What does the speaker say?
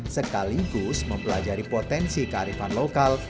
sekaligus mempelajari potensi kearifan lokal